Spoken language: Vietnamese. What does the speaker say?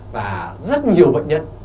và rất nhiều bệnh nhân